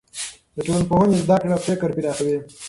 د ټولنپوهنې زده کړه فکر پراخوي.